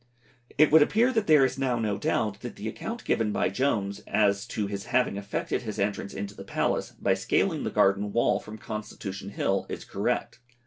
It would appear that there is now no doubt but that the account given by Jones as to his having effected his entrance into the Palace by scaling the garden wall from Constitution Hill is correct.